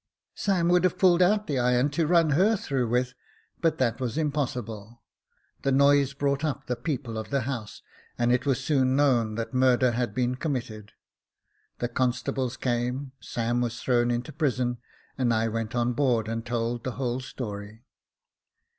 Sam would have pulled out the iron to run her through with, but that was impossible. The noise brought up the people of the house, and it was soon known that murder had been committed. The constables came, Sam was thrown into prison, and I went on board and told the whole story.